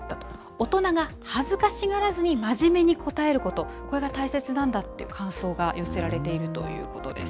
大人が恥ずかしがらずに真面目に答えること、これが大切なんだっていう感想が寄せられているということです。